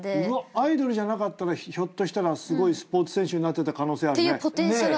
アイドルじゃなかったらひょっとしたらすごいスポーツ選手になってた可能性あるね。っていうポテンシャルは。